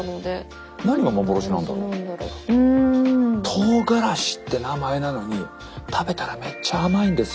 とうがらしって名前なのに食べたらめっちゃ甘いんですよ。